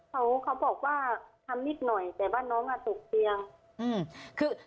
เขาบอกว่าทำนิดหน่อยแต่ว่าน้องมาตกเตียง